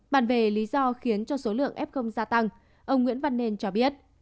bàn về lý do khiến cho số lượng f gia tăng ông nguyễn văn nên cho biết